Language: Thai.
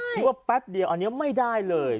แป๊บเดียวอันนี้ไม่ได้เลย